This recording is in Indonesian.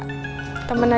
kabar tanpa uain